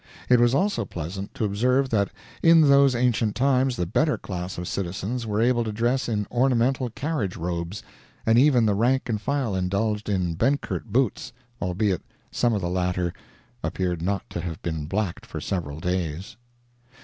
It was also pleasant to observe that in those ancient times the better class of citizens were able to dress in ornamental carriage robes, and even the rank and file indulged in Benkert boots, albeit some of the latter appeared not to have been blacked for several days.